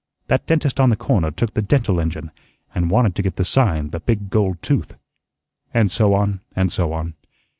That dentist on the corner took the dental engine, and wanted to get the sign, the big gold tooth," and so on and so on.